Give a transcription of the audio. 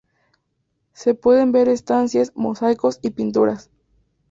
Se pueden ver estancias, mosaicos y pinturas.